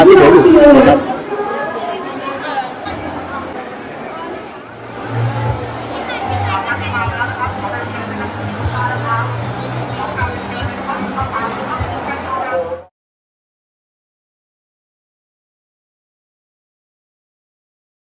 อันที่สุดท้ายก็คืออั